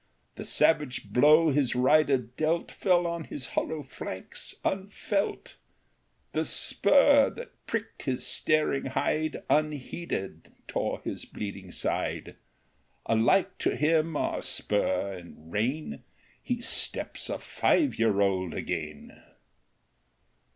The savage blow his rider dealt Fell on his hollow flanks unfelt ; The spur that pricked his staring hide Unheeded tore his bleeding side; Alike to him are spur and rein, — He steps a five year old again